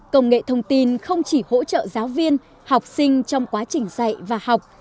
công nghệ thông tin không chỉ hỗ trợ giáo viên học sinh trong quá trình dạy và học